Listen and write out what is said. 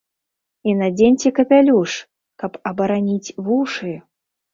І надзеньце капялюш, каб абараніць вушы.